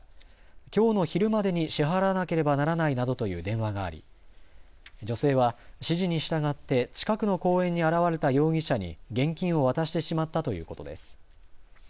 きょうの昼までに支払わなければならないなどという電話があり女性は指示に従って近くの公園に現れた容疑者に現金を渡してしまったということです。